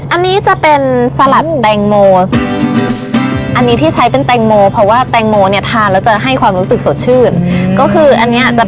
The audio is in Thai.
อันนี้อันนี้ก็จะเป็นมาห่อเป็นอาหารว่างไหมครับ